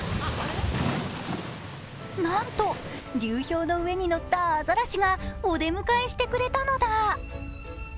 なんと、流氷の上に乗ったアザラシがお出迎えしてくれたのだ。